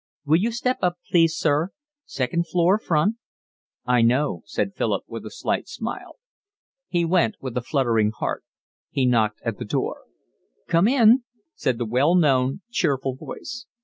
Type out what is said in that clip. "Will you step up, please, sir. Second floor front." "I know," said Philip, with a slight smile. He went with a fluttering heart. He knocked at the door. "Come in," said the well known, cheerful voice.